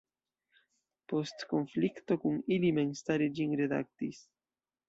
Post konflikto kun ili memstare ĝin redaktis.